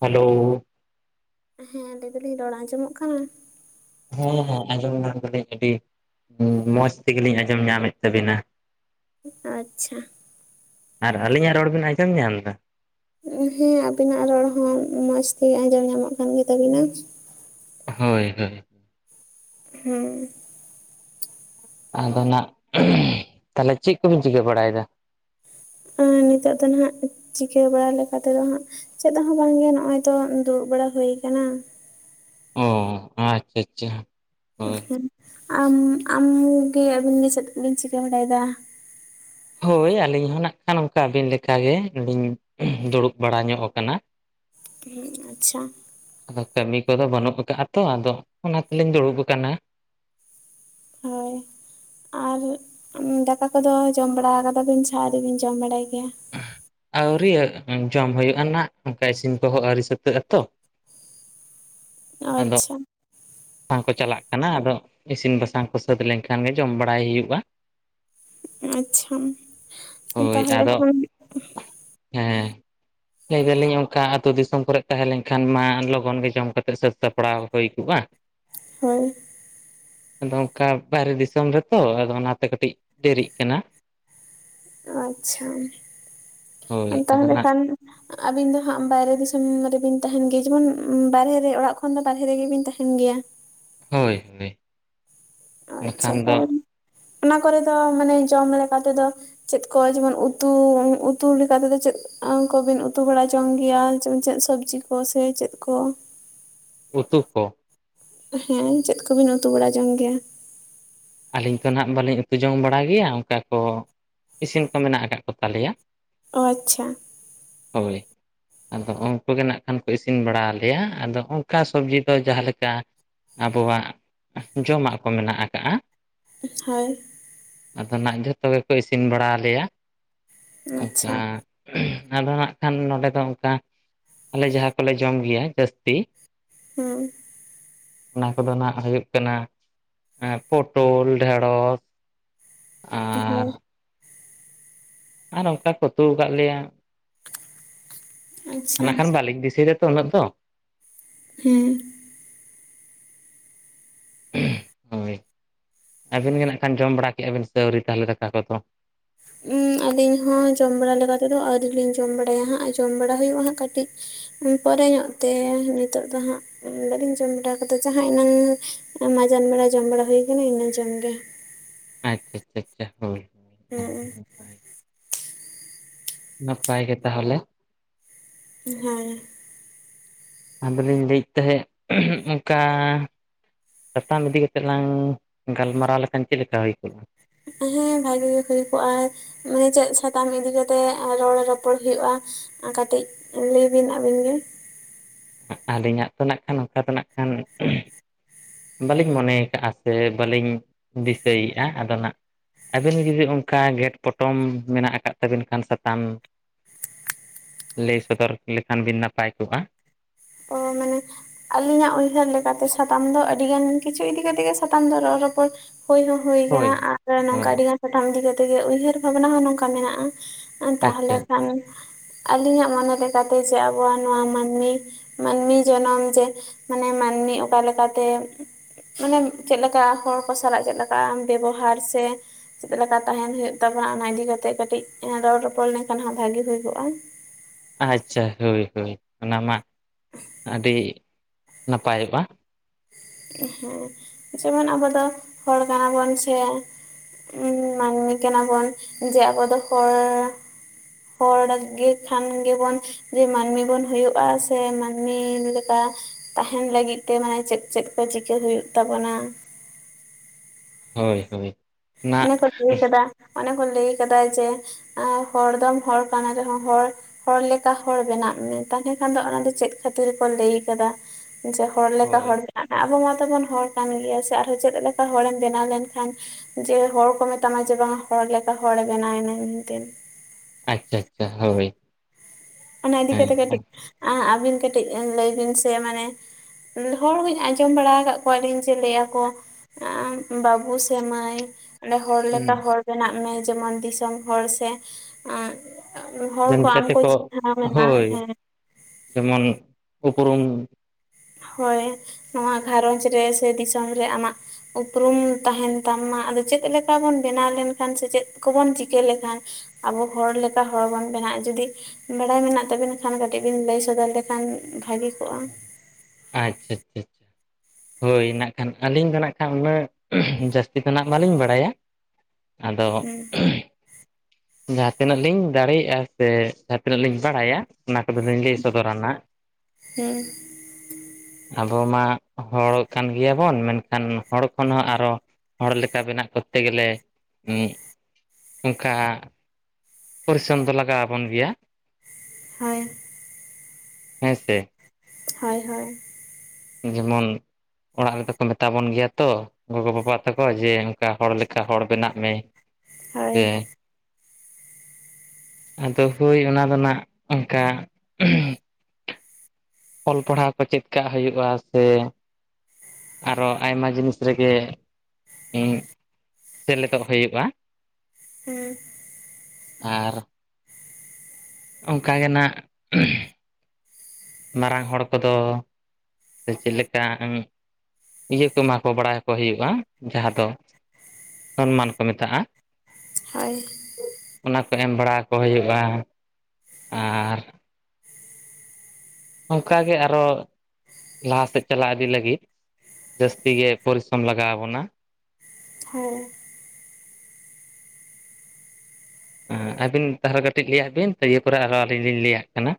Hello ᱦᱮᱸ ᱞᱟᱹᱭ ᱫᱟᱞᱤᱧ ᱨᱚᱲ ᱟᱸᱡᱚᱢᱚᱜ ᱠᱟᱱᱟ? ᱦᱮᱸ ᱦᱮᱸ ᱟᱡᱚᱢ ᱧᱟᱢ ᱫᱟᱞᱤᱧ ᱡᱩᱫᱤᱼᱼ ᱢᱚᱸᱡᱽ ᱛᱮᱜᱮᱞᱤᱧ ᱟᱸᱡᱚᱢ ᱧᱟᱢᱮᱫ ᱛᱟᱵᱤᱱᱟ᱾ ᱟᱪᱪᱷᱟ᱾ ᱟᱨ ᱟᱹᱞᱤᱧᱟᱜ ᱨᱚᱲ ᱵᱤᱱ ᱟᱸᱡᱚᱢ ᱧᱟᱢ ᱮᱫᱟ? ᱦᱮᱸ ᱟᱵᱤᱱᱟᱜ ᱨᱚᱲ ᱦᱚᱸ ᱢᱚᱸᱡᱽ ᱛᱮᱜᱮ ᱟᱸᱡᱚᱢ ᱧᱟᱢᱚᱜ ᱠᱟᱱ ᱜᱮᱛᱟᱵᱤᱱᱟ᱾ ᱦᱳᱭ ᱦᱳᱭ᱾ ᱦᱩᱢ᱾ ᱟᱫᱚ ᱱᱟᱜ ᱛᱟᱦᱚᱞᱮ ᱪᱮᱫ ᱠᱚᱵᱤᱱ ᱪᱤᱠᱟᱹ ᱵᱟᱲᱟᱭᱮᱫᱟ? ᱟᱨ ᱱᱤᱛᱚᱜ ᱫᱚ ᱱᱟᱜ ᱪᱤᱠᱟᱹ ᱵᱟᱲᱟ ᱞᱮᱠᱟᱛᱮᱫᱚ ᱦᱟᱸᱜᱼᱼ ᱪᱮᱫ ᱦᱚᱸ ᱵᱟᱝᱜᱮ ᱱᱚᱜ ᱚᱭ ᱛᱚ ᱫᱩᱲᱩᱵ ᱵᱟᱲᱟ ᱦᱩᱭ ᱟᱠᱟᱱᱟ᱾ ᱚ ᱟᱪᱪᱷᱟ ᱟᱪᱪᱷᱟ᱾ ᱟᱢ ᱟᱢ ᱜᱮ ᱟᱹᱵᱤᱱ ᱜᱮ ᱪᱮᱫ ᱠᱚ ᱵᱤᱱ ᱪᱤᱠᱟᱹ ᱵᱟᱲᱟᱭᱮᱫᱟ? ᱦᱳᱭ ᱟᱹᱞᱤᱧ ᱦᱚᱸ ᱱᱟᱜ ᱠᱷᱟᱱ ᱚᱱᱠᱟ ᱜᱮ ᱟᱹᱵᱤᱱ ᱞᱮᱠᱟ ᱜᱮ ᱫᱩᱲᱩᱵ ᱵᱟᱲᱟ ᱧᱚᱜ ᱟᱠᱟᱱᱟ᱾ ᱦᱮᱸ ᱟᱪᱪᱷᱟ᱾ ᱟᱫᱚ ᱠᱟᱹᱢᱤ ᱠᱚᱫᱚ ᱵᱟᱹᱱᱩᱜ ᱟᱠᱟᱫᱟ ᱛᱚ ᱟᱫᱚ ᱚᱱᱟ ᱛᱮᱞᱤᱧ ᱫᱩᱲᱩᱵ ᱟᱠᱟᱱᱟ᱾ ᱦᱳᱭ ᱟᱨ ᱫᱟᱠᱟ ᱠᱚᱫᱚ ᱡᱚᱢ ᱵᱟᱲᱟ ᱟᱠᱟᱫᱟᱵᱤᱱ ᱥᱮ ᱟᱣᱨᱤ ᱵᱤᱱ ᱡᱚᱢ ᱵᱟᱲᱟᱭ ᱜᱮᱭᱟ? ᱟᱹᱣᱨᱤᱟᱹ ᱡᱚᱢ ᱦᱩᱭᱩᱜᱼᱟ ᱦᱟᱜ ᱚᱱᱠᱟ ᱤᱥᱤᱱ ᱠᱚᱦᱚᱸ ᱟᱹᱣᱨᱤ ᱥᱟᱹᱛᱟᱹᱜ ᱟ ᱛᱚ᱾ ᱟᱫᱚ ᱟᱪᱪᱷᱟ᱾ ᱵᱟᱝ ᱠᱚ ᱪᱟᱞᱟᱜ ᱠᱟᱱᱟ ᱟᱫᱚ ᱤᱥᱤᱱ ᱵᱟᱥᱟᱝ ᱠᱚ ᱥᱟᱹᱛ ᱞᱮᱱᱠᱷᱟᱱ ᱜᱮ ᱡᱚᱢ ᱵᱟᱲᱟᱭ ᱦᱩᱭᱩᱜᱼᱟ᱾ ᱟᱪᱪᱷᱟ ᱛᱟᱦᱚᱞᱮ ᱠᱷᱟᱱᱼᱼ ᱦᱮᱸᱻ ᱞᱟᱹᱭ ᱫᱟᱞᱤᱧ ᱚᱱᱠᱟ ᱟᱹᱛᱩ ᱫᱤᱥᱚᱢ ᱠᱚᱨᱮ ᱛᱟᱦᱮᱸ ᱞᱮᱱ ᱠᱷᱟᱱ ᱢᱟ ᱞᱚᱜᱚᱱ ᱜᱮ ᱡᱚᱢ ᱠᱟᱛᱮ ᱥᱟᱹᱛ ᱥᱟᱯᱲᱟᱣ ᱦᱩᱭ ᱠᱚᱜᱼᱟ᱾ ᱦᱳᱭ᱾ ᱟᱫᱚ ᱚᱱᱠᱟ ᱵᱟᱭᱨᱮ ᱫᱤᱥᱚᱢ ᱨᱮᱛᱚ ᱟᱫᱚ ᱚᱱᱟᱛᱮ ᱠᱟᱹᱴᱤᱡ ᱫᱮᱨᱤᱜ ᱠᱟᱱᱟ᱾ ᱟᱪᱪᱷᱟ ᱦᱳᱭ ᱛᱟ ᱟᱫᱚ ᱦᱚᱞᱮ ᱱᱟᱜ ᱠᱷᱟᱱᱼᱼ ᱟᱵᱤᱱ ᱫᱚ ᱦᱟᱸᱜ ᱵᱟᱭᱨᱮ ᱫᱤᱥᱚᱢ ᱨᱮᱵᱤᱱ ᱛᱟᱦᱮᱱ ᱜᱮᱭᱟ ᱡᱮᱢᱚᱱ ᱵᱟᱨᱦᱮ ᱨᱮ ᱚᱲᱟᱜᱼᱼ ᱠᱷᱚᱱ ᱫᱚ ᱵᱟᱨᱦᱮ ᱨᱮᱜᱮᱵᱤᱱ ᱛᱟᱦᱮᱱ ᱜᱮᱭᱟ᱾ ᱦᱳᱭ ᱦᱳᱭ᱾ ᱟᱪᱪᱷᱟ ᱵᱟᱠᱷᱟᱱ ᱫᱚ ᱛᱟᱦᱚᱞᱮ ᱚᱱᱟ ᱠᱚᱨᱮ ᱫᱚ ᱢᱟᱱᱮ ᱡᱚᱢ ᱞᱮᱠᱟ ᱛᱮᱫᱚ ᱪᱮᱫ ᱠᱚ ᱡᱮᱢᱚᱱ ᱩᱛᱩ ᱩᱛᱩ ᱞᱮᱠᱟᱛᱮᱫᱚ ᱪᱮᱫ ᱟ ᱠᱚᱵᱤᱱ ᱩᱛᱩ ᱵᱟᱲᱟ ᱡᱚᱝ ᱜᱮᱭᱟ ᱪᱮᱫ ᱥᱚᱵᱽᱡᱤ ᱠᱚ ᱥᱮ ᱪᱮᱫ ᱠᱚ? ᱩᱛᱩ ᱠᱚ? ᱦᱮᱸ ᱪᱮᱫ ᱠᱚᱵᱤᱱ ᱩᱛᱩ ᱵᱟᱲᱟ ᱡᱚᱝ ᱜᱮᱭᱟ? ᱟᱹᱞᱤᱧ ᱛᱚ ᱱᱟᱸᱜ ᱵᱟᱹᱞᱤᱧ ᱩᱛᱩ ᱡᱚᱝ ᱵᱟᱲᱟ ᱜᱮᱭᱟ ᱚᱱᱠᱟ ᱠᱚ ᱤᱥᱤᱱ ᱠᱚ ᱢᱮᱱᱟᱜ ᱠᱟᱫ ᱠᱚᱛᱟᱞᱮᱭᱟ᱾ ᱚ ᱟᱪᱪᱷᱟ᱾ ᱦᱚᱭ᱾ ᱟᱫᱚ ᱩᱱᱠᱩ ᱜᱮ ᱱᱟᱜᱠᱷᱟᱱ ᱠᱚ ᱤᱥᱤᱱ ᱵᱟᱲᱟ ᱟᱞᱮᱭᱟ ᱟᱫᱚ ᱚᱱᱠᱟ ᱥᱚᱵᱡᱤ ᱠᱚ ᱡᱟᱦᱟᱸ ᱞᱮᱠᱟ ᱟᱵᱚᱣᱟᱜ ᱡᱚᱢᱟᱜ ᱠᱚ ᱢᱮᱱᱟᱜ ᱠᱟᱜᱼᱟ, ᱦᱚᱭ᱾ ᱟᱫᱚ ᱱᱟᱸᱜ ᱡᱷᱚᱛᱚ ᱜᱮᱠᱚ ᱤᱥᱤᱱ ᱵᱟᱲᱟ ᱟᱞᱮᱭᱟ᱾ ᱟᱪᱪᱷᱟ᱾ ᱚᱱᱠᱟ ᱟᱫᱚ ᱦᱟᱸᱜ ᱠᱷᱟᱱ ᱱᱚᱰᱮ ᱫᱚ ᱚᱝᱠᱟ ᱟᱞᱮ ᱡᱟᱦᱟᱸ ᱠᱚᱞᱮ ᱡᱚᱢ ᱜᱮᱭᱟ ᱡᱟᱹᱥᱛᱤ ᱦᱩᱸ᱾ ᱚᱱᱟ ᱠᱚᱫᱚ ᱱᱟᱸᱜ ᱦᱩᱭᱩᱜ ᱠᱟᱱᱟ ᱯᱚᱴᱳᱞ ᱰᱷᱮᱸᱲᱚᱥ ᱟᱨ ᱦᱮᱸ᱾ ᱟᱨ ᱚᱱᱠᱟ ᱠᱚ ᱩᱛᱩ ᱠᱟᱜ ᱞᱮᱭᱟ ᱟᱪᱪᱷᱟ ᱱᱟᱜ ᱠᱷᱟᱱ ᱵᱟᱞᱤᱧ‌ ᱫᱤᱥᱟᱹᱭ ᱫᱟ ᱛᱚ ᱩᱱᱟᱹᱜ ᱫᱚ᱾ ᱦᱮᱸ᱾ ᱦᱳᱭ ᱟᱵᱤᱱ ᱜᱮ ᱱᱟᱜ ᱠᱷᱟᱱ ᱡᱚᱢ ᱵᱟᱲᱟ ᱠᱮᱜᱼᱟ ᱵᱤᱱ ᱥᱮ ᱟᱹᱣᱨᱤ ᱛᱟᱦᱚᱞᱮ ᱫᱟᱠᱟ ᱠᱚᱫᱚ? ᱩᱸ ᱟᱹᱞᱤᱧ ᱦᱚᱸ ᱡᱚᱢ ᱵᱟᱲᱟ ᱞᱮᱠᱟ ᱛᱮᱫᱚ ᱟᱹᱣᱨᱤ ᱞᱤᱧ ᱡᱚᱢ ᱵᱟᱲᱟᱭᱟ ᱦᱟᱸᱜ ᱡᱚᱢ ᱵᱟᱲᱟ ᱦᱩᱭᱩᱜᱼᱟ ᱦᱟᱸᱜ ᱠᱟᱹᱴᱤᱡ ᱩᱸ ᱯᱚᱨᱮ ᱧᱚᱜ ᱛᱮ ᱱᱤᱛᱚᱜ ᱫᱚ ᱦᱟᱸᱜ ᱚᱸ ᱵᱟᱹᱞᱤᱧ ᱡᱚᱢ ᱵᱟᱲᱟ ᱠᱟᱫᱟ ᱡᱟᱦᱟᱸ ᱮᱱᱟᱝ ᱢᱟᱡᱟᱱ ᱵᱮᱲᱟ ᱡᱚᱢ ᱵᱟᱲᱟ ᱦᱩᱭ ᱠᱟᱱᱟ ᱤᱱᱟᱹ ᱡᱚᱢ ᱜᱮ᱾ ᱟᱪᱪᱷᱟ ᱟᱪᱷᱟ ᱪᱷᱟ ᱦᱳᱭ᱾ ᱦᱮᱸ ᱾ ᱱᱟᱯᱟᱭ ᱜᱮ ᱛᱟᱦᱚᱞᱮ᱾ ᱦᱮᱸ᱾ ᱟᱫᱚ ᱞᱤᱧ ᱞᱟᱹᱭᱮᱜ ᱛᱟᱦᱮᱸᱜ ᱚᱝᱠᱟ ᱥᱟᱛᱟᱢ ᱤᱫᱤ ᱠᱟᱛᱮᱜ ᱞᱟᱝ ᱜᱟᱞᱢᱟᱨᱟᱣ ᱞᱮᱠᱷᱟᱱ ᱪᱮᱜ ᱞᱮᱠᱟ ᱦᱩᱭ ᱠᱚᱜᱼᱟ? ᱦᱮᱸ ᱵᱷᱟᱜᱤ ᱜᱮ ᱦᱩᱭ ᱠᱚᱜᱼᱟ᱾ ᱢᱟᱱᱮ ᱪᱮᱫ ᱥᱟᱛᱟᱢ ᱤᱫᱤ ᱠᱟᱛᱮᱜ ᱮᱸ ᱨᱚᱲ ᱨᱚᱯᱚᱲ ᱦᱩᱭᱩᱜᱼᱟ ᱟᱸ ᱠᱟᱴᱤᱡ ᱞᱟᱹᱭ ᱵᱤᱱ ᱟᱵᱤᱱ ᱜᱮ᱾ ᱟᱹᱞᱤᱧᱟᱜ ᱛᱚ ᱱᱟᱸᱜ ᱠᱷᱟᱱ ᱱᱚᱠᱟ ᱛᱮ ᱱᱟᱜ ᱠᱷᱟᱱ ᱵᱟᱹᱞᱤᱧ ᱢᱚᱱᱮᱭ ᱠᱟᱜ-ᱟ ᱥᱮ ᱵᱟᱹᱞᱤᱧ ᱫᱤᱥᱟᱹᱭᱮᱜᱼᱟ ᱟᱫᱚ ᱱᱟᱸᱜ ᱟᱵᱤᱱ ᱜᱮ ᱡᱩᱫᱤ ᱚᱝᱠᱟ ᱜᱷᱮᱸᱴ ᱯᱚᱴᱚᱢ ᱢᱮᱱᱟᱜ ᱠᱟᱫ ᱛᱟᱹᱵᱤᱱ ᱠᱷᱟᱱ ᱥᱟᱛᱟᱢ ᱞᱟᱹᱭ ᱥᱚᱫᱚᱨ ᱞᱮᱠᱷᱟᱱ ᱵᱤᱱ ᱱᱟᱯᱟᱭ ᱠᱚᱜᱼᱟ᱾ ᱚ ᱢᱟᱱᱮ ᱟᱞᱤᱧᱟᱜ ᱩᱭᱦᱟᱹᱨ ᱞᱮᱠᱟ ᱛᱮ ᱥᱟᱛᱟᱢ ᱫᱚ ᱟᱹᱰᱤ ᱜᱟᱱ ᱠᱤᱪᱷᱩ ᱤᱫᱤ ᱠᱟᱛᱮᱜ ᱜᱮ ᱥᱟᱛᱟᱢ ᱫᱚ ᱨᱚᱲ ᱨᱚᱯᱚᱲ ᱦᱩᱭ ᱦᱚᱸ ᱦᱩᱭ ᱦᱳᱭ ᱠᱟᱱᱟ ᱟᱨ ᱦᱳᱭ ᱱᱚᱝᱠᱟ ᱟᱹᱰᱤ ᱜᱟᱱ ᱥᱟᱛᱟᱢ ᱤᱫᱤ ᱠᱟᱛᱮᱜ ᱜᱮ ᱩᱭᱦᱟᱹᱨ ᱵᱷᱟᱵᱱᱟ ᱦᱚᱸ ᱱᱚᱝᱠᱟ ᱢᱮᱱᱟᱜᱼᱟ, ᱟᱸ ᱟᱪᱪᱷᱟ ᱛᱟᱦᱚᱞᱮ ᱠᱷᱟᱱ ᱟᱞᱤᱧᱟᱜ ᱢᱚᱱᱮ ᱞᱮᱠᱟᱛᱮ ᱡᱮ ᱟᱵᱚᱣᱟᱜ ᱱᱚᱣᱟ ᱢᱟᱱᱢᱤ ᱢᱟᱹᱱᱢᱤ ᱡᱚᱱᱚᱢ ᱡᱮ ᱢᱟᱱᱮ ᱢᱟᱹᱱᱢᱤ ᱚᱠᱟᱮ ᱞᱮᱠᱟ ᱛᱮ ᱢᱟᱱᱮ ᱪᱮᱜ ᱞᱮᱠᱟ ᱦᱚᱲ ᱠᱚ ᱥᱟᱞᱟᱜ ᱪᱮᱜ ᱞᱮᱠᱟ ᱵᱮᱵᱚᱦᱟᱨ ᱥᱮ ᱪᱮᱫ ᱞᱮᱠᱟ ᱛᱟᱦᱮᱱ ᱦᱩᱭᱩᱜ ᱛᱟᱵᱚᱱᱟ, ᱚᱱᱟ ᱤᱫᱤ ᱠᱟᱛᱮᱜ ᱠᱟᱹᱴᱤᱡ ᱮᱸ ᱨᱚᱲ ᱨᱚᱯᱚᱲ ᱞᱮᱱᱠᱷᱟᱱ ᱦᱟᱸᱜ ᱵᱷᱟᱜᱤ ᱦᱩᱭ ᱠᱚᱜ-ᱟ᱾ ᱟᱪᱪᱷᱟ ᱦᱳᱭ ᱦᱳᱭ, ᱚᱱᱟ ᱢᱟ ᱟᱹᱰᱤ ᱱᱟᱯᱟᱭᱚᱜ-ᱟ᱾ ᱦᱮᱸ ᱡᱮᱢᱚᱱ ᱟᱵᱚ ᱫᱚ ᱦᱚᱲ ᱠᱟᱱᱟᱵᱚᱱ ᱥᱮ ᱩᱸᱻ ᱢᱟᱱᱢᱤ ᱠᱟᱱᱟ ᱵᱚᱱ, ᱡᱮ ᱟᱵᱚ ᱫᱚ ᱦᱚᱲ ᱦᱚᱲ ᱜᱮ ᱠᱷᱟᱱ ᱜᱮ ᱵᱚᱱ ᱡᱮ ᱢᱟᱱᱢᱤ ᱵᱚᱱ ᱦᱩᱭᱩᱜ-ᱟ ᱥᱮ ᱢᱟᱱᱢᱤ ᱞᱮᱠᱟ ᱛᱟᱦᱮᱱ ᱞᱟᱹᱜᱤᱫ ᱛᱮ ᱢᱟᱱᱮ ᱪᱮᱫ ᱪᱮᱫ ᱠᱚ ᱪᱤᱠᱟᱹ ᱦᱩᱭᱩᱜ ᱛᱟᱵᱚᱱᱟ ᱦᱳᱭ ᱦᱳᱭ᱾ ᱚᱱᱟ ᱚᱱᱮ ᱠᱚ ᱞᱟᱹᱭ ᱠᱟᱫᱟ ᱚᱱᱮ ᱠᱚ ᱞᱟᱹᱭ ᱠᱟᱫᱟ ᱡᱮ ᱟᱸ ᱦᱚᱲ ᱫᱚᱢ ᱦᱚᱲ ᱠᱟᱱᱟ ᱨᱮᱦᱚᱸ ᱦᱚᱲ ᱦᱚᱲ ᱞᱮᱠᱟ ᱦᱚᱲ ᱵᱮᱱᱟᱜ ᱢᱮ ᱾ ᱛᱟᱦᱚᱞᱮ ᱠᱷᱟᱱ ᱫᱚ ᱚᱱᱟ ᱫᱚ ᱪᱮᱫ ᱠᱷᱟᱹᱛᱤᱨ ᱠᱚ ᱞᱟᱹᱭ ᱟᱠᱟᱫᱟ ᱡᱮ ᱦᱚᱲ ᱞᱮᱠᱟ ᱦᱳᱭ ᱦᱚᱲ ᱵᱮᱱᱟᱜ ᱢᱮ ᱾ ᱟᱵᱚ ᱢᱟᱛᱚ ᱵᱚᱱ ᱦᱚᱲ ᱠᱟᱱ ᱜᱮᱭᱟ ᱥᱮ ᱟᱨ ᱦᱚᱸ ᱪᱮᱫ ᱞᱮᱠᱟ ᱦᱚᱲᱮᱢ ᱵᱮᱱᱟᱣ ᱞᱮᱱᱠᱷᱟᱱ ᱡᱮ ᱦᱚᱲ ᱠᱚ ᱢᱮᱛᱟᱢᱟ ᱡᱮ ᱵᱟᱝ ᱦᱚᱲ ᱞᱮᱠᱟ ᱦᱚᱲᱮ ᱵᱮᱱᱟᱣᱮᱱᱟ ᱢᱮᱱᱛᱮᱱ ᱾ ᱟᱪᱪᱷᱟ ᱟᱪᱪᱷᱟ ᱦᱳᱭ᱾ ᱚᱱᱟ ᱤᱫᱤ ᱦᱮᱸ ᱠᱟᱛᱮᱜ ᱦᱩᱸ ᱠᱟᱹᱴᱤᱡ ᱟᱸ ᱟᱵᱤᱱ ᱠᱟᱹᱴᱤᱡ ᱞᱟᱹᱭ ᱵᱤᱱ ᱥᱮ ᱢᱟᱱᱮ ᱩᱸ ᱦᱚᱲ ᱦᱩᱧ ᱟᱸᱡᱚᱢ ᱵᱟᱲᱟᱣ ᱟᱠᱟᱜ ᱠᱚᱣᱟ ᱞᱤᱧ ᱡᱮ ᱞᱟᱹᱭ ᱟᱠᱚ ᱟᱸ ᱵᱟᱵᱩ ᱥᱮ ᱢᱟᱹᱭ ᱟᱱᱮ ᱦᱚᱲ ᱞᱮᱠᱟ ᱦᱚᱲ ᱵᱮᱱᱟᱜ ᱢᱮ ᱡᱮᱢᱚᱱ ᱫᱤᱥᱚᱢ ᱦᱚᱲ ᱥᱮ ᱚᱸᱜ ᱚᱸᱜ ᱦᱚᱲ ᱠᱚ ᱟᱢ ᱠᱚ‌ ᱪᱤ ᱦᱳᱭ ᱾ [inaudible] ᱡᱮᱢᱚᱱ ᱩᱯᱨᱩᱢ ᱦᱚᱭ ᱾ ᱱᱚᱸᱣᱟ ᱜᱷᱟᱨᱚᱸᱡᱽ ᱨᱮ ᱥᱮ ᱫᱤᱥᱚᱢ ᱨᱮ ᱟᱢᱟᱜ ᱩᱯᱨᱩᱢ ᱛᱟᱦᱮᱱ ᱛᱟᱢ ᱢᱟ ᱾ ᱟᱫᱚ ᱪᱮᱫ ᱞᱮᱠᱟ ᱵᱚᱱ ᱵᱮᱱᱟᱣ ᱞᱮᱱᱠᱷᱟᱱ ᱥᱮ ᱪᱮᱫ ᱠᱚᱵᱚᱱ ᱪᱤᱠᱟᱹ ᱞᱮᱠᱷᱟᱱ ᱟᱵᱚ ᱦᱚᱲ ᱞᱮᱠᱟ ᱦᱚᱲ ᱵᱚᱱ ᱵᱮᱱᱟᱜ-ᱟ ᱾ ᱡᱩᱫᱤ ᱵᱟᱲᱟᱭ ᱢᱮᱱᱟᱜ ᱛᱟᱵᱤᱱ ᱠᱷᱟᱱ ᱠᱟᱹᱴᱤᱡ ᱵᱤᱱ ᱞᱟᱹᱭ ᱥᱚᱫᱚᱨ ᱞᱮᱠᱷᱟᱱ ᱵᱷᱟᱹᱜᱤ ᱠᱚᱜ-ᱟ ᱾ [inaudible] ᱟᱪᱪᱷᱟ ᱟᱪᱪᱷᱟ ᱟᱪᱪᱷᱟ᱾ ᱦᱳᱭ ᱱᱟᱜ ᱠᱷᱟᱱ ᱟᱹᱞᱤᱧ ᱫᱚ ᱱᱟᱜ ᱠᱷᱟᱱ ᱩᱱᱟᱹᱜ ᱡᱟᱹᱥᱛᱤ ᱫᱚ ᱱᱟᱦᱟᱜ ᱵᱟᱹᱞᱤᱧ ᱵᱟᱲᱟᱭᱟ᱾ ᱟᱫᱚ ᱦᱮᱸ ᱡᱟᱦᱟᱸ ᱛᱤᱱᱟᱹᱜ ᱞᱤᱧ ᱫᱟᱲᱮᱭᱟᱜ-ᱟ ᱥᱮ ᱡᱟᱦᱟᱸ ᱛᱤᱱᱟᱹᱜ ᱞᱤᱧ ᱵᱟᱲᱟᱭᱟ ᱚᱱᱟ ᱠᱚᱫᱚ ᱞᱤᱧ ᱞᱟᱹᱭ ᱥᱚᱫᱚᱨᱟ ᱱᱟᱦᱟᱜ ᱾ [inaudible] ᱦᱮᱸ ᱟᱵᱚ ᱢᱟ ᱦᱚᱲ ᱠᱟᱱ ᱜᱮᱭᱟᱵᱚᱱ ᱢᱮᱱᱠᱷᱟᱱ ᱦᱚᱲ ᱠᱷᱚᱱ ᱦᱚᱸ ᱟᱨᱚ ᱦᱚᱲ ᱞᱮᱠᱟ ᱵᱮᱱᱟᱜ ᱠᱚᱨᱛᱮ ᱜᱮᱞᱮ, ᱩᱸ [inaudible] ᱚᱱᱠᱟ ᱯᱚᱨᱤᱥᱨᱚᱢ ᱫᱚ ᱞᱟᱜᱟᱣ ᱟᱵᱚᱱ ᱜᱮᱭᱟ᱾ ᱦᱳᱭ ᱾ [inaudible] ᱦᱮᱸ ᱥᱮ ᱾ ᱦᱳᱭ ᱦᱳᱭ᱾ ᱡᱮᱢᱚᱱ ᱚᱲᱟᱜ ᱨᱮᱫᱚ ᱠᱚ ᱢᱮᱛᱟ ᱵᱚᱱ ᱜᱮᱭᱟ ᱛᱚ ᱜᱚᱜᱚ ᱵᱟᱵᱟ ᱛᱟᱠᱚ ᱡᱮ ᱚᱱᱠᱟ ᱦᱚᱲ ᱞᱮᱠᱟ ᱦᱚᱲ ᱵᱮᱱᱟᱜ ᱢᱮ᱾ [inaudible] ᱦᱳᱭ ᱥᱮ [inaudible] ᱟᱫᱚ ᱦᱳᱭ ᱚᱱᱟ ᱫᱚ ᱱᱟᱦᱟᱜ ᱚᱱᱠᱟ ᱚᱞ ᱯᱟᱲᱦᱟᱣ ᱠᱚ ᱪᱮᱫ ᱠᱟᱜ ᱦᱩᱭᱩᱜ-ᱟ ᱥᱮ ᱟᱨᱚ ᱟᱭᱢᱟ ᱡᱤᱱᱤᱥ ᱨᱮᱜᱮ [inaudible] ᱩᱸ ᱥᱮᱞᱮᱫᱚᱜ ᱦᱩᱭᱩᱜ-ᱟ ᱾ ᱦᱩᱸ ᱾ ᱟᱨ ᱚᱱᱠᱟ ᱜᱮ ᱱᱟᱜ ᱢᱟᱨᱟᱝ ᱦᱚᱲ ᱠᱚᱫᱚ, ᱥᱮ ᱪᱮᱫ ᱞᱮᱠᱟ ᱤᱭᱟᱹ ᱠᱚ ᱮᱢᱟ ᱠᱚ ᱵᱟᱲᱟᱣ ᱟᱠᱚ ᱦᱩᱭᱩᱜ-ᱟ ᱡᱟᱦᱟᱸ ᱫᱚ ᱥᱚᱱᱢᱟᱱ ᱠᱚ ᱢᱮᱛᱟᱜ-ᱟ᱾ ᱦᱳᱭ᱾ ᱚᱱᱟ ᱠᱚ ᱮᱢ ᱵᱟᱲᱟ ᱟᱠᱚ ᱦᱩᱭᱩᱜ-ᱟ, ᱟᱨ ᱚᱱᱠᱟᱜ ᱜᱮ ᱟᱨᱚ ᱞᱟᱦᱟ ᱥᱮᱫ ᱪᱟᱞᱟᱜ ᱤᱫᱤ ᱞᱟᱹᱜᱤᱫ ᱡᱟᱹᱥᱛᱤ ᱜᱮ ᱯᱚᱨᱤᱥᱨᱚᱢ ᱞᱟᱜᱟᱣ ᱟᱵᱚᱱᱟ᱾ ᱦᱮᱸ, ᱟᱹᱵᱤᱱ ᱛᱟᱦᱚᱞᱮ ᱠᱟᱹᱴᱤᱡ ᱞᱟᱹᱭ-ᱟ ᱵᱤᱱ ᱫᱤᱭᱮ ᱯᱚᱨᱮ ᱟᱨᱦᱚᱸ ᱟᱹᱞᱤᱧ ᱞᱤᱧ ᱞᱟᱹᱭᱟᱜ ᱠᱟᱱᱟ᱾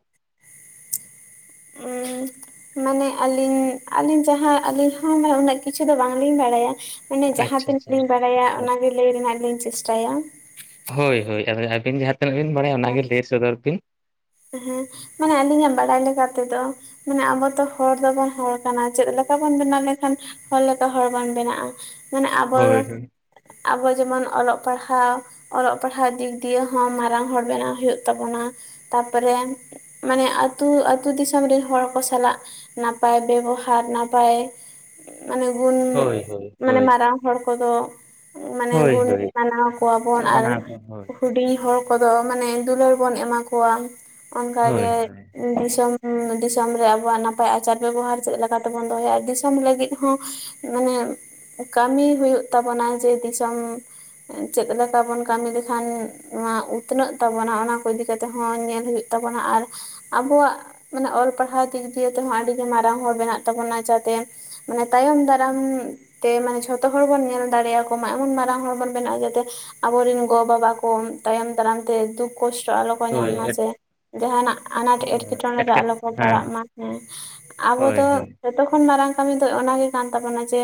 [unintelligible] ᱢᱟᱱᱮ ᱟᱹᱞᱤᱧ ᱟᱹᱞᱤᱧ ᱡᱟᱦᱟᱸ ᱟᱹᱞᱤᱧ ᱦᱚᱸ ᱩᱱᱟᱹᱜ ᱠᱤᱪᱷᱩ ᱫᱚ ᱵᱟᱝᱞᱤᱧ ᱵᱟᱲᱟᱭᱟ ᱾ ᱢᱟᱱᱮ ᱡᱟᱦᱟᱸ ᱟᱪᱪᱷᱟ ᱛᱤᱱᱟᱹᱜ ᱟᱪᱪᱷᱟ ᱞᱤᱧ ᱵᱟᱲᱟᱭᱟ ᱚᱱᱟᱜᱮ ᱞᱟᱹᱭ ᱨᱮᱱᱟᱜ ᱞᱤᱧ ᱪᱮᱥᱴᱟᱭᱟ ᱾ ᱦᱳᱭ ᱦᱳᱭ ᱟᱫᱚ ᱟᱹᱵᱤᱱ ᱡᱟᱦᱟᱸ ᱛᱤᱱᱟᱹᱜ ᱵᱤᱱ ᱵᱟᱲᱟᱭᱟ ᱦᱮᱸ ᱚᱱᱟᱜᱮ ᱞᱟᱹᱭ ᱥᱚᱫᱚᱨ ᱵᱤᱱ ᱾ ᱦᱮᱸ ᱢᱟᱱᱮ ᱟᱹᱞᱤᱧᱟᱜ ᱵᱟᱲᱟᱭ ᱞᱮᱠᱟ ᱛᱮᱫᱚ ᱢᱟᱱᱮ ᱟᱵᱚ ᱛᱚ ᱦᱚᱲ ᱫᱚᱵᱚᱱ ᱦᱚᱲ ᱠᱟᱱᱟ ᱪᱮᱫ ᱞᱮᱠᱟ ᱵᱚᱱ ᱵᱮᱱᱟᱣ ᱞᱮᱠᱷᱟᱱ ᱦᱚᱲ ᱞᱮᱠᱟ ᱦᱚᱲ ᱵᱚᱱ ᱵᱮᱱᱟᱜ-ᱟ᱾ ᱢᱟᱱᱮ ᱟᱵᱚ ᱦᱳᱭ ᱦᱳᱭ ᱟᱵᱚ ᱡᱮᱢᱚᱱ ᱚᱞᱚᱜ ᱯᱟᱲᱦᱟᱣ ᱚᱞᱚᱜ ᱯᱟᱲᱦᱟᱣ ᱫᱤᱠ ᱫᱤᱭᱮ ᱦᱚᱸ ᱢᱟᱨᱟᱝ ᱦᱚᱲ ᱵᱮᱱᱟᱣ ᱦᱩᱭᱩᱜ ᱛᱟᱵᱳᱱᱟ ᱛᱟᱯᱚᱨᱮ ᱢᱟᱱᱮ ᱟᱹᱛᱩ ᱟᱹᱛᱩ ᱫᱤᱥᱚᱢ ᱨᱮᱱ ᱦᱚᱲ ᱠᱚ ᱥᱟᱞᱟᱜ ᱱᱟᱯᱟᱭ ᱵᱮᱵᱚᱦᱟᱨ, ᱱᱟᱯᱟᱭ ᱢᱟᱱᱮ ᱜᱩᱱ ᱦᱳᱭ ᱦᱳᱭ ᱢᱟᱱᱮ ᱦᱳᱭ ᱢᱟᱨᱟᱝ ᱦᱚᱲ ᱠᱚᱫᱚ ᱢᱟᱱᱮ ᱦᱳᱭ ᱜᱩᱱ ᱦᱳᱭ ᱢᱟᱱᱟᱣ ᱠᱚᱣᱟ ᱵᱚᱱ ᱟᱨ ᱢᱟᱱᱟᱣ ᱦᱳᱭ ᱦᱩᱰᱤᱧ ᱦᱚᱲ ᱠᱚᱫᱚ ᱢᱟᱱᱮ ᱫᱩᱞᱟᱹᱲ ᱵᱚᱱ ᱮᱢᱟ ᱠᱚᱣᱟ᱾ ᱚᱱᱠᱟ ᱦᱳᱭ ᱜᱮ ᱦᱳᱭ ᱫᱤᱥᱚᱢ ᱫᱤᱥᱚᱢ ᱨᱮ ᱟᱵᱚᱣᱟᱜ ᱱᱟᱯᱟᱭ ᱟᱪᱟᱨ ᱵᱮᱵᱚᱦᱟᱨ ᱪᱮᱫ ᱞᱮᱠᱟ ᱛᱮ ᱵᱚᱱ ᱫᱚᱦᱚᱭᱟ᱾ ᱫᱤᱥᱚᱢ ᱞᱟᱹᱜᱤᱫ ᱦᱚᱸ ᱢᱟᱱᱮ ᱠᱟᱹᱢᱤ ᱦᱩᱭᱩᱜ ᱛᱟᱵᱱᱟ ᱡᱮ ᱫᱤᱥᱚᱢ ᱪᱮᱫ ᱞᱮᱠᱟ ᱵᱚᱱ ᱠᱟᱹᱢᱤ ᱞᱮᱠᱷᱟᱱ ᱱᱚᱣᱟ ᱩᱛᱱᱟᱹᱜ ᱛᱟᱵᱚᱱᱟ ᱚᱱᱟᱠᱚ ᱤᱫᱤᱠᱟ ᱛᱮᱜ ᱛᱮ ᱦᱚᱸ ᱧᱮᱞ ᱦᱩᱭᱩᱜ ᱛᱟᱵᱚᱱᱟ᱾ ᱟᱨ ᱟᱵᱚᱣᱟᱜ ᱢᱟᱱᱮ ᱚᱞ ᱯᱟᱲᱦᱟᱣ ᱫᱤᱠ ᱫᱤᱭᱮ ᱛᱮᱦᱚᱸ ᱟᱹᱰᱤ ᱜᱮ ᱢᱟᱨᱟᱝ ᱦᱚᱲ ᱵᱮᱱᱟᱜ ᱛᱟᱵᱚᱱᱟ, ᱡᱟᱛᱮ ᱢᱟᱱᱮ ᱛᱟᱭᱚᱢ ᱫᱟᱨᱟᱢ ᱛᱮ ᱢᱟᱱᱮ ᱡᱷᱚᱛᱚ ᱦᱚᱲ ᱵᱚᱱ ᱧᱮᱞ ᱫᱟᱲᱮᱭᱟ ᱠᱚ ᱢᱟ ᱮᱢᱚᱱ ᱢᱟᱨᱟᱝ ᱦᱚᱲ ᱵᱚᱱ ᱵᱮᱱᱟᱜ ᱡᱟᱛᱮ ᱟᱵᱚᱨᱮᱱ ᱜᱚ ᱵᱟᱵᱟ ᱠᱚ ᱛᱟᱭᱚᱢ ᱫᱟᱨᱟᱢ ᱛᱮ ᱫᱩᱠ ᱠᱚᱥᱴᱚ ᱟᱞᱚ ᱠᱚ ᱧᱟᱢ ᱦᱳᱭ ᱢᱟᱥᱮ ᱡᱟᱦᱟᱱᱟᱜ ᱟᱱᱟᱴ ᱮᱴᱠᱮᱴᱚᱬᱮ ᱨᱮ ᱟᱞᱚ ᱮᱴᱠᱮᱴ ᱠᱚ ᱯᱟᱲᱟᱜ ᱦᱮᱸ ᱢᱟ ᱦᱮ ᱟᱵᱚ ᱫᱚ ᱦᱳᱭ ᱦᱳᱭ ᱡᱚᱛᱚ ᱠᱷᱚᱱ ᱢᱟᱨᱟᱝ ᱠᱟᱹᱢᱤ ᱫᱚ ᱚᱱᱟᱜᱮ ᱠᱟᱱ ᱛᱟᱵᱚᱱᱟ ᱡᱮ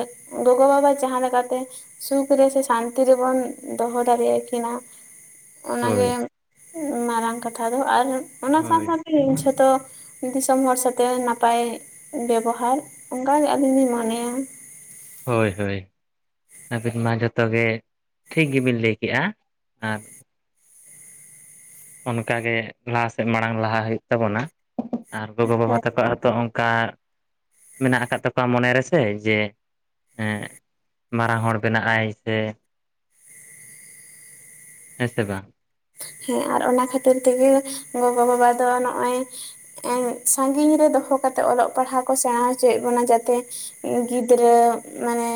ᱜᱚᱜᱚ ᱵᱟᱵᱟ ᱡᱟᱦᱟᱸ ᱞᱮᱠᱟᱛᱮ ᱥᱩᱠ ᱨᱮᱥᱮ ᱥᱟᱱᱛᱤ ᱨᱮᱵᱚᱱ ᱫᱚᱦᱚ ᱫᱟᱲᱮᱭᱟᱜ-ᱟ ᱠᱤᱱᱟ ᱾ ᱚᱱᱟᱜᱮ ᱦᱳᱭ ᱢᱟᱨᱟᱝ ᱠᱟᱛᱷᱟ ᱫᱚ ᱟᱨ ᱚᱱᱟ ᱥᱟᱶ ᱦᱳᱭ ᱥᱟᱶᱛᱮ ᱤᱧ ᱡᱷᱚᱛᱚ ᱫᱤᱥᱚᱢ ᱦᱚᱲ ᱥᱟᱛᱮ ᱱᱟᱯᱟᱭ ᱵᱮᱵᱚᱦᱟᱨ ᱚᱱᱠᱟᱟᱜ ᱜᱮ ᱟᱹᱞᱤᱧ ᱞᱤᱧ ᱢᱚᱱᱮᱭᱟ ᱾ ᱦᱳᱭ ᱦᱳᱭ ᱟᱹᱵᱤᱱ ᱢᱟ ᱡᱚᱛᱚ ᱜᱮ ᱴᱷᱤᱠ ᱜᱮᱵᱤᱱ ᱞᱟᱹᱭ ᱠᱮᱜ-ᱟ ᱟᱨ ᱚᱱᱠᱟᱜᱮ ᱞᱟᱦᱟ ᱥᱮᱫ ᱢᱟᱲᱟᱝ ᱞᱟᱦᱟ ᱦᱩᱭᱩᱜ ᱛᱟᱵᱚᱱᱟ ᱟᱨ ᱜᱚᱜᱚ ᱵᱟᱵᱟ ᱛᱟᱠᱚ ᱦᱚᱸᱛᱚ ᱚᱱᱠᱟ ᱢᱮᱱᱟᱜ ᱟᱠᱟᱫ ᱛᱟᱠᱚᱣᱟ ᱢᱚᱱᱮ ᱨᱮᱥᱮ ᱡᱮ ᱢᱟᱨᱟᱝ ᱦᱚᱲ ᱵᱮᱱᱟᱜ ᱟᱭ ᱥᱮ [unintelligible] ᱦᱮᱸᱥᱮ ᱵᱟᱝ? ᱦᱮᱸ ᱟᱨ ᱚᱱᱟ ᱠᱷᱟᱹᱛᱤᱨ ᱛᱮᱜᱮ ᱜᱚᱜᱚ-ᱵᱟᱵᱟ ᱫᱚ ᱱᱚᱜ-ᱚᱭ ᱥᱟᱜᱤᱧ ᱨᱮ ᱫᱚᱦᱚ ᱠᱟᱛᱮᱜ ᱚᱞᱚᱜ ᱯᱟᱲᱦᱟᱜ ᱠᱚ ᱥᱮᱬᱟ ᱦᱚᱪᱚᱭᱮᱫ ᱵᱚᱱᱟ ᱡᱟᱛᱮ ᱜᱤᱫᱽᱨᱟᱹ ᱢᱟᱱᱮ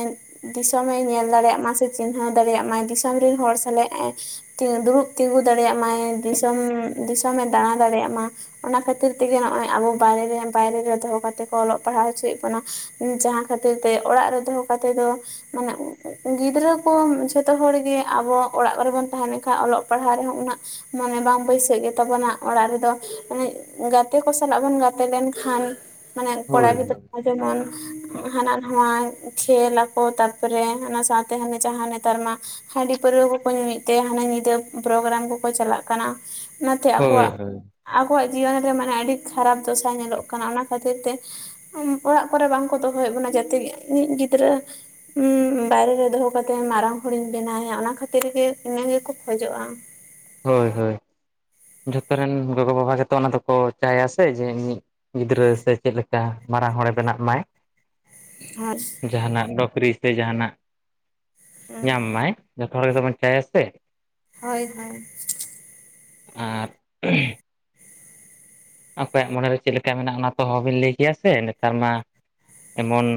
ᱫᱤᱥᱚᱢᱮ ᱧᱮᱞ ᱫᱟᱲᱮᱭᱟᱜ ᱢᱟ ᱥᱮ ᱪᱤᱱᱦᱟᱹᱣ ᱫᱟᱲᱮᱭᱟᱜ ᱢᱟᱭ ᱫᱤᱥᱚᱢ ᱨᱮᱱ ᱦᱚᱲ ᱥᱟᱞᱟᱜ ᱫᱩᱲᱩᱵ ᱛᱤᱸᱜᱩ ᱫᱟᱲᱮᱭᱟᱜ ᱢᱟᱭ ᱫᱤᱥᱚᱢ, ᱫᱤᱥᱚᱢᱮ ᱫᱟᱬᱟ ᱫᱟᱲᱮᱭᱟᱜ ᱢᱟ᱾ ᱚᱱᱟ ᱠᱷᱟᱹᱛᱤᱨ ᱛᱮᱜᱮ ᱱᱚᱜᱼᱚᱭ ᱟᱵᱚ ᱵᱟᱭᱨᱮ ᱵᱟᱭᱨᱮ ᱨᱮ ᱫᱚᱦᱚ ᱠᱟᱛᱮ ᱠᱚ ᱚᱞᱚᱜ ᱯᱟᱲᱦᱟᱣ ᱦᱚᱪᱚᱭᱮᱫ ᱵᱚᱱᱟ᱾ ᱡᱟᱦᱟᱸ ᱠᱷᱟᱹᱛᱤᱨ ᱛᱮ ᱚᱲᱟᱜ ᱨᱮ ᱫᱚᱦᱚ ᱠᱟᱛᱮ ᱫᱚ ᱢᱟᱱᱮ ᱜᱤᱫᱽᱨᱟᱹ ᱠᱚ ᱡᱷᱚᱛᱚ ᱦᱚᱲᱜᱮ ᱟᱵᱚ ᱚᱲᱟᱜ ᱠᱚᱨᱮ ᱵᱚᱱ ᱛᱟᱸᱦᱮ ᱞᱮᱱᱠᱷᱟᱱ ᱚᱞᱚᱜ ᱯᱟᱲᱦᱟᱣ ᱨᱮᱦᱚᱸ ᱩᱱᱟᱹᱜ ᱢᱚᱱᱮ ᱵᱟᱝ ᱵᱟᱹᱭᱥᱟᱹᱜ ᱜᱮᱛᱟᱵᱚᱱᱟ ᱚᱲᱟᱜ ᱨᱮᱫᱚ ᱢᱟᱱᱮ ᱜᱟᱛᱮ ᱠᱚ ᱥᱟᱞᱟᱜ ᱵᱚᱱ ᱜᱟᱛᱮ ᱞᱮᱱᱠᱷᱟᱱ ᱢᱟᱱᱮ ᱠᱚᱲᱟ ᱦᱳᱭ ᱜᱤᱫᱽᱨᱟᱹ ᱦᱚᱸ ᱡᱮᱢᱚᱱ ᱦᱟᱱᱟ ᱱᱚᱣᱟ ᱠᱷᱮᱞ ᱟᱠᱚ ᱛᱟᱨᱯᱚᱨᱮ ᱚᱱᱟ ᱥᱟᱶᱛᱮ ᱦᱟᱱ ᱡᱟᱦᱟᱸ ᱱᱮᱛᱟᱨ ᱢᱟ ᱦᱟᱺᱰᱤ ᱯᱟᱹᱨᱟᱹᱣᱟ ᱠᱚᱠᱚ ᱧᱩᱭᱮᱫ ᱛᱮ ᱦᱟᱱᱮ ᱧᱤᱫᱟᱹ ᱯᱨᱳᱜᱨᱟᱢ ᱠᱚᱠᱚ ᱪᱟᱞᱟᱜ ᱠᱟᱱᱟ ᱚᱱᱟᱛᱮ ᱦᱳᱭ ᱟᱠᱚᱣᱟᱜ ᱦᱳᱭ ᱟᱠᱚᱣᱟᱜ ᱡᱤᱭᱚᱱ ᱨᱮ ᱢᱟᱱᱮ ᱟᱹᱰᱤ ᱠᱷᱟᱨᱟᱯ ᱫᱚᱥᱟ ᱧᱮᱞᱚᱜ ᱠᱟᱱᱟ ᱚᱱᱟ ᱠᱷᱟᱹᱛᱤᱨ ᱛᱮ ᱚᱲᱟᱜ ᱠᱚᱨᱮᱜ ᱵᱟᱝᱠᱚ ᱫᱚᱦᱚᱭᱮᱫ ᱵᱚᱱᱟ ᱡᱟᱛᱮ ᱤᱧᱤᱡ ᱜᱤᱫᱽᱨᱟᱹ ᱦᱩᱸ ᱵᱟᱭᱨᱮ ᱨᱮ ᱫᱚᱦᱚ ᱠᱟᱛᱮᱫ ᱢᱟᱨᱟᱝ ᱦᱚᱲᱤᱧ ᱵᱮᱱᱟᱣᱮᱭᱟ ᱚᱱᱟ ᱠᱷᱟᱹᱛᱤᱨ ᱜᱮ ᱤᱱᱟᱹ ᱜᱮᱠᱚ ᱠᱷᱚᱡᱚᱜᱼᱟ᱾ [unintelligible] ᱦᱳᱭ ᱦᱳᱭ ᱡᱚᱛᱚ ᱨᱮᱱ ᱜᱚᱜᱚ ᱵᱟᱵᱟ ᱜᱮᱛᱚ ᱚᱱᱟ ᱫᱚᱠᱚ ᱪᱟᱭᱟ ᱥᱮ ᱡᱮ ᱤᱧᱤᱡ ᱜᱤᱫᱽᱨᱟᱹ ᱥᱮ ᱪᱮᱫ ᱞᱮᱠᱟ ᱢᱟᱨᱟᱝ ᱦᱚᱲᱮ ᱵᱮᱱᱟᱜ ᱢᱟᱭ᱾ [unintelligible] ᱡᱟᱦᱟᱱᱟᱜ ᱱᱚᱠᱨᱤ ᱥᱮ ᱡᱟᱦᱟᱱᱟᱜ ᱧᱟᱢ ᱢᱟᱭ ᱡᱚᱛᱚ ᱦᱚᱲ ᱜᱮᱛᱵᱚᱱ ᱪᱟᱭᱟ ᱥᱮ ᱦᱳᱭ ᱦᱳᱭ ᱟᱨ [unintelligible] ᱚᱠᱚᱭᱟᱜ ᱢᱚᱱᱮᱨᱮ ᱪᱮᱫ ᱞᱮᱠᱟ ᱢᱮᱱᱟᱜ-ᱟ ᱚᱱᱟ ᱛᱚ ᱚᱦᱚᱵᱤᱱ ᱞᱟᱹᱭ ᱠᱮᱭᱟ ᱥᱮ ᱱᱮᱛᱟᱨ ᱢᱟ ᱮᱢᱚᱱ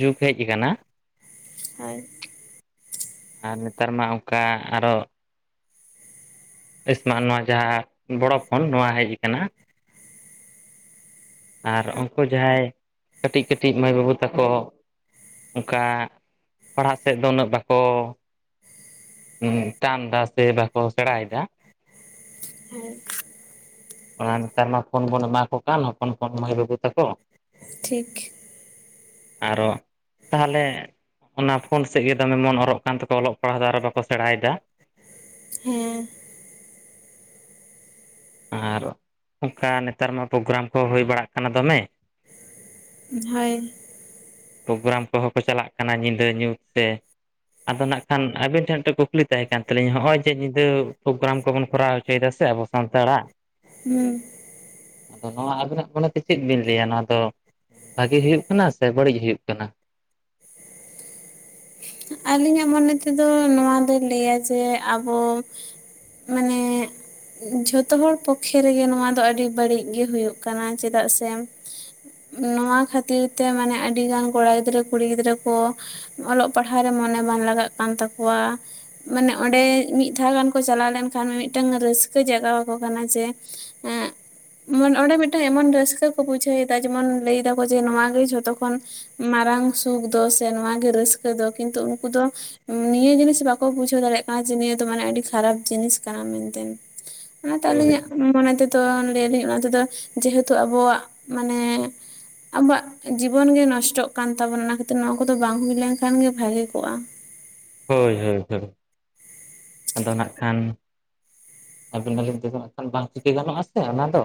ᱡᱩᱜᱽ ᱦᱮᱡ ᱟᱠᱟᱱᱟ ᱦᱳᱭ ᱟᱨ ᱱᱮᱛᱟᱨ ᱢᱟ ᱚᱱᱠᱟ ᱟᱨᱚ [unintelligible] ᱱᱚᱣᱟ ᱡᱟᱦᱟᱸ ᱵᱚᱲᱚ ᱯᱷᱳᱱ ᱱᱚᱣᱟ ᱦᱮᱡ ᱟᱠᱟᱱᱟ ᱟᱨ ᱦᱳᱭ ᱩᱱᱠᱩ ᱡᱟᱦᱟᱸᱭ ᱠᱟᱹᱴᱤᱡ ᱠᱟᱹᱴᱤᱡ ᱢᱟᱹᱭ ᱵᱟᱹᱵᱩ ᱛᱟᱠᱚ ᱚᱱᱠᱟ ᱯᱟᱲᱦᱟᱜ ᱥᱮᱫ ᱫᱚ ᱩᱱᱟᱹᱜ ᱵᱟᱠᱚ [unintelligible] ᱵᱟᱠᱚ ᱥᱮᱬᱟᱭᱮᱫᱟ᱾ ᱦᱮᱸ ᱚᱱᱟ ᱱᱮᱛᱟᱨ ᱢᱟ ᱯᱷᱳᱱ ᱵᱚᱱ ᱮᱢᱟ ᱠᱚ ᱠᱟᱱ ᱦᱚᱯᱚᱱ ᱦᱚᱯᱚᱱ ᱢᱟᱹᱭ ᱵᱟᱹᱵᱩ ᱛᱟᱠᱚ᱾ ᱴᱷᱤᱠ ᱟᱨᱚ ᱛᱟᱦᱚᱞᱮ ᱚᱱᱟ ᱯᱷᱳᱱ ᱥᱮᱫ ᱜᱮ ᱫᱚᱢᱮ ᱢᱚᱱ ᱚᱨᱚᱜ ᱠᱟᱱ ᱛᱟᱠᱚᱣᱟ ᱚᱞᱚᱜ ᱯᱟᱲᱦᱟᱣ ᱫᱚ ᱟᱨ ᱵᱟᱠᱚ ᱥᱮᱬᱟᱭᱫᱟ᱾ ᱦᱮᱸ ᱟᱨ ᱚᱱᱠᱟ ᱱᱮᱛᱟᱨ ᱢᱟ ᱯᱨᱳᱜᱨᱟᱢ ᱠᱚ ᱦᱩᱭ ᱵᱟᱲᱟᱜ ᱠᱟᱱᱟ ᱫᱚᱢᱮ ᱦᱚᱭ ᱯᱨᱳᱜᱨᱟᱢ ᱠᱚᱦᱚᱸ ᱠᱚ ᱪᱟᱞᱟᱜ ᱠᱟᱱᱟ ᱧᱤᱫᱟᱹ ᱧᱩᱛ ᱛᱮ ᱟᱫᱚ ᱱᱟᱜ ᱠᱷᱟᱱ ᱟᱵᱤᱱ ᱴᱷᱮᱱ ᱢᱤᱫᱴᱮᱱ ᱠᱩᱠᱞᱤ ᱛᱟᱦᱮᱸ ᱠᱟᱱ ᱛᱟᱹᱞᱤᱧᱟ ᱦᱚᱜ-ᱚᱭ ᱡᱮ ᱧᱤᱫᱟᱹ ᱯᱨᱳᱜᱨᱟᱢ ᱠᱚᱵᱚᱱ ᱠᱚᱨᱟᱣ ᱦᱚᱪᱚᱭ ᱫᱟ ᱥᱮ ᱟᱵᱚ ᱥᱟᱱᱛᱟᱲᱟᱜ ᱦᱩᱸᱻ ᱟᱫᱚ ᱱᱚᱣᱟ ᱟᱵᱤᱱᱟᱜ ᱢᱚᱱᱮ ᱛᱮ ᱪᱮᱫ ᱵᱤᱱ ᱞᱟᱹᱭᱟ ᱱᱚᱣᱟ ᱫᱚ ᱵᱷᱟᱜᱤ ᱦᱩᱭᱩᱜ ᱠᱟᱱᱟ ᱥᱮ ᱵᱟᱹᱲᱤᱡ ᱦᱩᱭᱩᱜ ᱠᱟᱱᱟ? ᱟᱹᱞᱤᱧᱟᱜ ᱢᱚᱱᱮ ᱛᱮᱫᱚ ᱱᱚᱣᱟ ᱫᱚᱭ ᱞᱟᱹᱭᱟ ᱡᱮ ᱟᱵᱚ ᱢᱟᱱᱮ ᱡᱷᱚᱛᱚ ᱦᱚᱲ ᱯᱚᱠᱷᱮ ᱨᱮᱜᱮ ᱱᱚᱣᱟ ᱫᱚ ᱟᱹᱰᱤ ᱵᱟᱹᱲᱤᱡ ᱜᱮ ᱦᱩᱭᱩᱜ ᱠᱟᱱᱟ᱾ ᱪᱮᱫᱟᱜ ᱥᱮ ᱱᱚᱣᱟ ᱠᱷᱟᱹᱛᱤᱨ ᱛᱮ ᱢᱟᱱᱮ ᱟᱹᱰᱤᱜᱟᱱ ᱠᱚᱲᱟ ᱜᱤᱫᱽᱨᱟᱹ ᱠᱩᱲᱤ ᱜᱤᱫᱽᱨᱟᱹ ᱠᱚ ᱚᱞᱚᱜ ᱯᱟᱲᱦᱟᱣ ᱨᱮ ᱢᱚᱱᱮ ᱵᱟᱝ ᱞᱟᱜᱟᱜ ᱠᱟᱱ ᱛᱟᱠᱚᱣᱟ ᱢᱟᱱᱮ ᱚᱸᱰᱮ ᱢᱤᱫ ᱫᱷᱟᱣ ᱜᱟᱱ ᱠᱚ ᱪᱟᱞᱟᱣ ᱞᱮᱱ ᱠᱷᱟᱱ ᱢᱤᱫᱴᱟᱱ ᱨᱟᱹᱥᱠᱟᱹ ᱡᱟᱜᱟᱣ ᱟᱠᱚ ᱠᱟᱱᱟ ᱡᱮ ᱮᱸᱜ ᱢᱚᱱ ᱚᱸᱰᱮ ᱢᱤᱫᱴᱟᱝ ᱮᱢᱚᱱ ᱨᱟᱹᱥᱠᱟᱹ ᱠᱚ ᱵᱩᱡᱷᱟᱹᱣᱮᱫᱟ ᱡᱮᱢᱚᱱ ᱞᱟᱹᱭ ᱮᱫᱟ ᱠᱚ ᱡᱮ ᱱᱚᱣᱟ ᱜᱮ ᱡᱷᱚᱛᱚ ᱠᱷᱚᱱ ᱢᱟᱨᱟᱝ ᱥᱩᱠ ᱫᱚ ᱥᱮ ᱱᱚᱣᱟ ᱜᱮ ᱨᱟᱹᱥᱠᱟᱹ ᱫᱚ ᱠᱤᱱᱛᱩ ᱩᱱᱠᱩ ᱫᱚ ᱱᱤᱭᱟᱹ ᱡᱤᱱᱤᱥ ᱵᱟᱠᱚ ᱵᱩᱡᱷᱟᱹᱣ ᱫᱟᱲᱮᱭᱟᱜ ᱠᱟᱱᱟ ᱡᱮ ᱱᱤᱭᱟᱹ ᱫᱚ ᱢᱟᱱᱮ ᱟᱹᱰᱤ ᱠᱷᱟᱨᱟᱯ ᱡᱤᱱᱤᱥ ᱠᱟᱱᱟ ᱢᱮᱱᱛᱮᱱ᱾ ᱚᱱᱟᱛᱮ ᱦᱳᱭ ᱟᱹᱞᱤᱧᱟᱜ ᱢᱚᱱᱮ ᱛᱮᱫᱚ ᱞᱟᱹᱭ ᱟᱹᱞᱤᱧ ᱚᱱᱟ ᱛᱮᱫᱚ ᱡᱮᱦᱮᱛᱩ ᱟᱵᱚᱣᱟᱜ ᱢᱟᱱᱮ ᱟᱵᱚᱣᱟᱜ ᱡᱤᱵᱚᱱᱜ ᱜᱮ ᱱᱚᱥᱴᱚᱜ ᱠᱟᱱ ᱛᱟᱵᱳᱱᱟ ᱚᱱᱟ ᱠᱷᱟᱹᱛᱤᱨ ᱱᱚᱣᱟ ᱠᱚᱫᱚ ᱵᱟᱝ ᱦᱩᱭ ᱞᱮᱱ ᱠᱷᱟᱱ ᱜᱮ ᱵᱷᱟᱹᱜᱮ ᱠᱚᱜᱼᱟ᱾ ᱦᱳᱭ ᱦᱳᱭ ᱦᱳᱭ, ᱟᱫᱚ ᱱᱷᱟᱜ ᱠᱷᱟᱱ ᱟᱵᱤᱱ ᱟᱹᱞᱤᱧ ᱛᱮᱫᱚ ᱦᱟᱸᱜ ᱵᱟᱝ ᱪᱤᱠᱟᱹ ᱜᱟᱱᱚᱜ ᱟᱥᱮ ᱚᱱᱟ ᱫᱚ